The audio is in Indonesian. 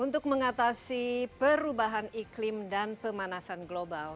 untuk mengatasi perubahan iklim dan pemanasan global